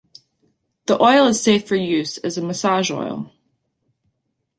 The oil is safe for use as a massage oil.